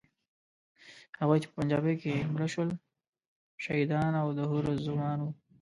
هغوی چې په پنجابۍ کې مړه شول، شهیدان او د حورو زومان وو.